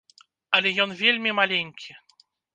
Але ён вельмі маленькі.